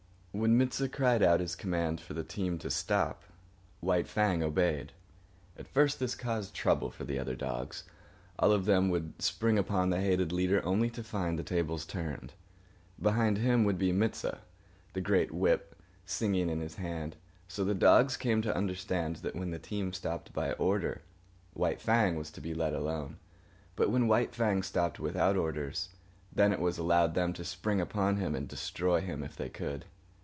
When Mit sah cried out his command for the team to stop, White Fang obeyed. At first this caused trouble for the other dogs. All of them would spring upon the hated leader only to find the tables turned. Behind him would be Mit sah, the great whip singing in his hand. So the dogs came to understand that when the team stopped by order, White Fang was to be let alone. But when White Fang stopped without orders, then it was allowed them to spring upon him and destroy him if they could.